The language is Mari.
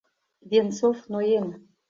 Венцов ноен.